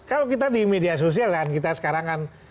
kalau kita di media sosial kan kita sekarang kan